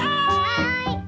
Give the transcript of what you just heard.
はい！